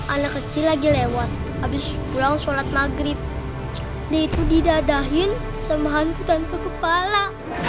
anak kecil lagi lewat habis pulang sholat maghrib dia itu didadahin sama hantu tanpa kepala